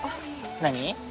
何？